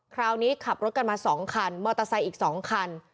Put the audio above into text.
คราวนี้ขับรถกันมาสองคันเมอร์เตอร์ไซส์อีกสองคัน